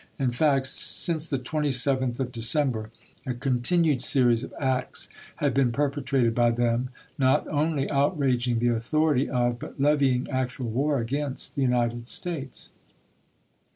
In fact, since the 27th of De cember, a continued series of acts had been perpe trated by them, not only outraging the authority of, but levying actual war against, the United States.